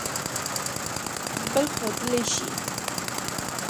بل ښودلئ شی